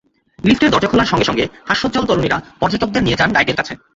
লিফটের দরজা খোলার সঙ্গে সঙ্গে হাস্যোজ্জ্বল তরুণীরা পর্যটকদের নিয়ে যান গাইডের কাছে।